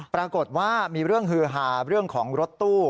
ปรากฏว่ามีเรื่องฮือหาเรื่องของรถตู้